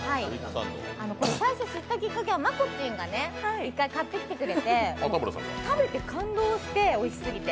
これ、最初知ったきっかけは真子ちんが１回買ってきてくれて食べて感動して、おいすぎて。